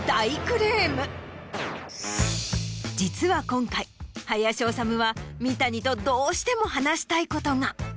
実は今回林修は三谷とどうしても話したいことが。